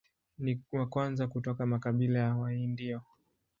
Ni wa kwanza kutoka makabila ya Waindio.